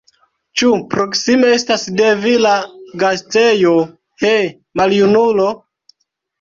Ĉu proksime estas de vi la gastejo, he, maljunulo?